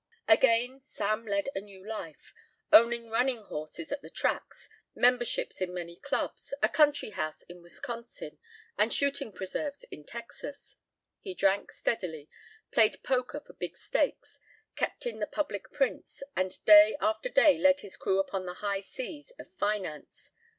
Again Sam led a new life, owning running horses at the tracks, memberships in many clubs, a country house in Wisconsin, and shooting preserves in Texas. He drank steadily, played poker for big stakes, kept in the public prints, and day after day led his crew upon the high seas of finance.